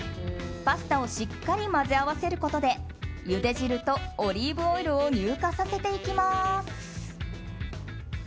パスタをしっかり混ぜ合わせることでゆで汁とオリーブオイルを乳化させていきます。